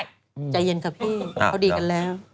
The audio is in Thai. ใจเย็นค่ะพี่เขาดีกันแล้ว